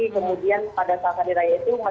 kemudian pada saat hari raya itu mereka sendiri membeli